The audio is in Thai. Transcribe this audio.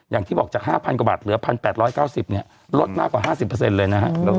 อย่างที่บอกจาก๕๐๐กว่าบาทเหลือ๑๘๙๐เนี่ยลดมากกว่า๕๐เลยนะครับ